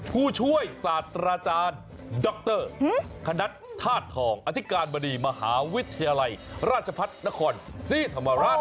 ผู้ช่วยศาสตราจารย์ด๊อกเตอร์คณะธาตุทองอธิการบริมหาวิทยาลัยราชพัฒนธ์นครซีธรรมรัฐ